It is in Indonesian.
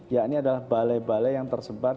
ya ini adalah balai balai yang tersebar